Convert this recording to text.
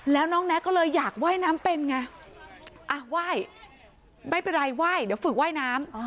แล้วน้องแน็กก็เลยอยากว่ายน้ำเป็นไงอ่ะไหว้ไม่เป็นไรไหว้เดี๋ยวฝึกว่ายน้ำ